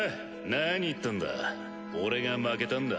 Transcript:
何言ってんだ俺が負けたんだ。